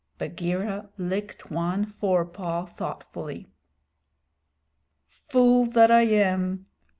Bagheera licked one forepaw thoughtfully. "Fool that I am!